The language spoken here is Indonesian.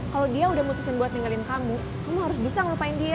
kalau dia udah mutusin buat ninggalin kamu kamu harus bisa ngelupain dia